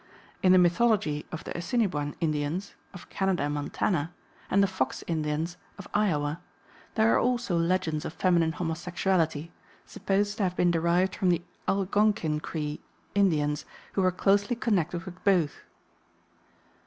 In the mythology of the Assiniboine Indians (of Canada and Montana) and the Fox Indians (of Iowa) there are also legends of feminine homosexuality, supposed to have been derived from the Algonkin Cree Indians, who were closely connected with both.